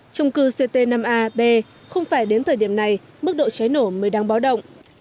trung cư ct năm ab không phải đến thời điểm này mức độ cháy nổ mới đang báo động